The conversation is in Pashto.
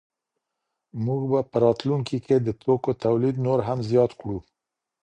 موږ به په راتلونکي کي د توکو تولید نور هم زیات کړو.